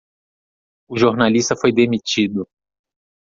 O jornalista foi demitido.